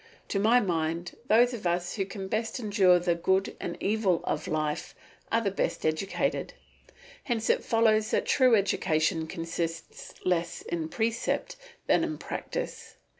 To my mind those of us who can best endure the good and evil of life are the best educated; hence it follows that true education consists less in precept than in practice.